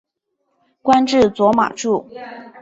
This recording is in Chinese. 官至左马助。